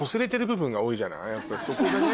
やっぱりそこがね。